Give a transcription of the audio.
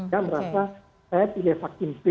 yang merasa saya pilih vaksin b